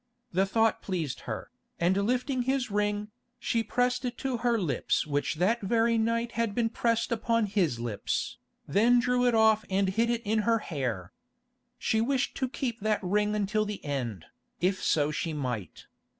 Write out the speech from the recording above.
The thought pleased her, and lifting his ring, she pressed it to her lips which that very night had been pressed upon his lips, then drew it off and hid it in her hair. She wished to keep that ring until the end, if so she might.